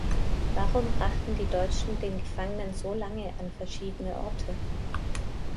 Warum brachten die Deutschen den Gefangenen so lange an verschiedene Orte?